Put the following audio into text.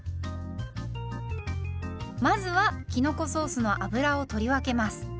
まずはきのこソースの油を取り分けます。